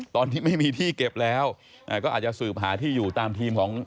ตอนนี้ไม่มีที่เก็บแล้วก็อาจจะสืบหาที่อยู่ตามทีมของ